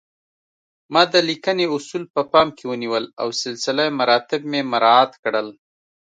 ما د لیکنې اصول په پام کې ونیول او سلسله مراتب مې مراعات کړل